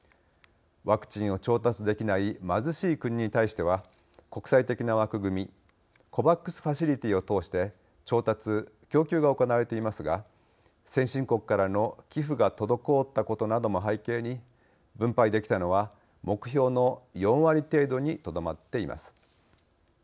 ワクチンを調達できない貧しい国に対しては国際的な枠組みＣＯＶＡＸファシリティを通して調達・供給が行われていますが先進国からの寄付が滞ったことなども背景に分配できたのは目標の４割程度にとどまっています。